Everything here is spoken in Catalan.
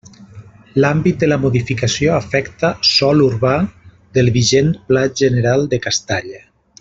L'àmbit de la modificació afecta sòl urbà del vigent pla general de Castalla.